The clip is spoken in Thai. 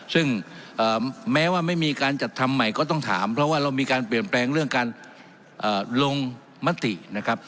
ซึ่งแม้ว่าไม่มีการจัดทำใหม่ก็ต้องถามเพราะว่าเรามีการเปลี่ยนแปลงเรื่องการลงมตินะครับ